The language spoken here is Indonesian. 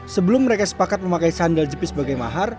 sebelum mereka sepakat memakai sandal jepis sebagai mahar